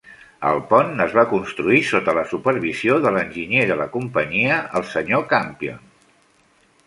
El pont es va construir sota la supervisió de l'enginyer de la companyia, el Sr. Campion.